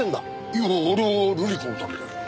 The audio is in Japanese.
いやあれは瑠璃子のためなの。